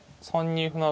３二歩成。